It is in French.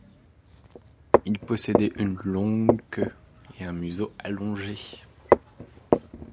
Il possédait une longue queue et un museau allongé.